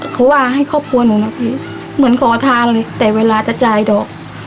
เขาว่าให้ครอบครัวหนูนะพี่เหมือนขอทานเลยแต่เวลาจะจ่ายดอก